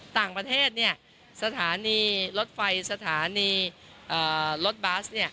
ต่างประเทศสถานีรถไฟสถานีรถบัส